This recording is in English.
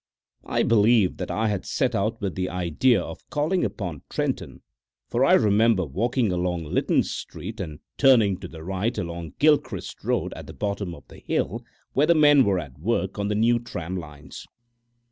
I believe that I set out with the idea of calling upon Trenton, for I remember walking along Lytton Street and turning to the right along Gilchrist Road at the bottom of the hill where the men were at work on the new tram lines.